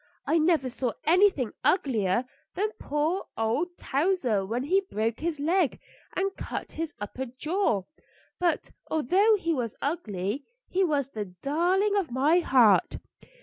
I never saw anything uglier than poor old Towser when he broke his leg and cut his upper jaw; but although he was ugly, he was the darling of my heart.